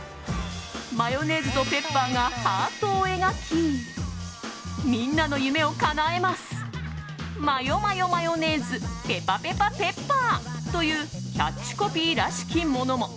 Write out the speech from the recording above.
マヨネーズとペッパーがハートを描き「みんなの夢を叶えますマヨマヨマヨネーズペパペパペッパー」というキャッチコピーらしきものも。